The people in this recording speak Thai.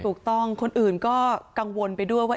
ถูกต้องคนอื่นก็กังวลไปด้วยว่า